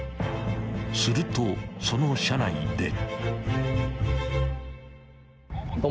［するとその車内で］